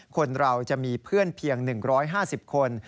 คนเราจะมีเพื่อนเพียง๑๕๐คน